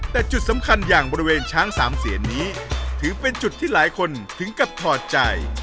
แต่จุดสำคัญอย่างบริเวณช้างสามเสียนนี้ถือเป็นจุดที่หลายคนถึงกับถอดใจ